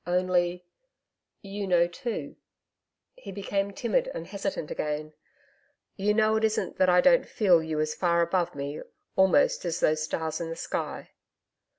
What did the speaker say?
Only you know too ' he became timid and hesitant again 'you know it isn't that I don't feel you as far above me, almost, as those stars in the sky....'